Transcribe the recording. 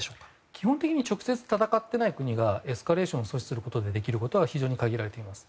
基本的に直接戦っていない国がエスカレーションを阻止するためにできることは非常に限られています。